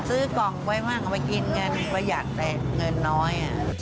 ซื้อกล่องไว้ห้างเอาไปกินการพยัดแบบเงินน้อย